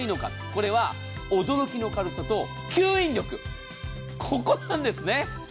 これは驚きの軽さと吸引力ここなんです。